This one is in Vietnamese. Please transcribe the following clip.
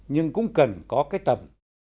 nhưng cũng cần có cái tầm